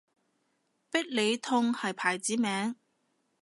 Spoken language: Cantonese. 必理痛係牌子名